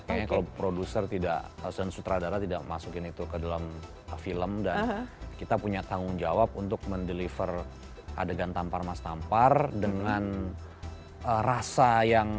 kayaknya kalau produser tidak dan sutradara tidak masukin itu ke dalam film dan kita punya tanggung jawab untuk mendeliver adegan tampar mas tampar dengan rasa yang